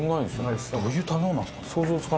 どういう食べ物なんですかね。